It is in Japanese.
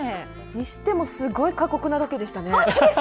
にしてもすごい過酷なロケでしたね。